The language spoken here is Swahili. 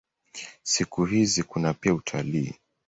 Siku hizi kuna pia utalii.